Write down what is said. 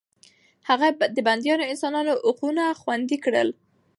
هغه د بنديانو انساني حقونه خوندي کړل.